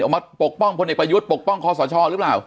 ออกมาปกป้องคนไอ้ประยุทธ์ปกป้องคอสชหรือเปล่า